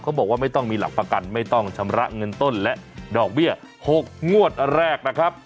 บอกว่าไม่ต้องมีหลักประกันไม่ต้องชำระเงินต้นและดอกเบี้ย๖งวดแรกนะครับ